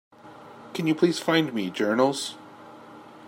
Can you please find me, Journals?